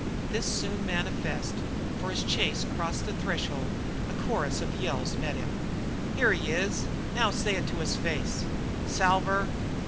This was soon manifest, for as Chase crossed the threshold a chorus of yells met him. "Here he is now say it to his face!" "Salver!"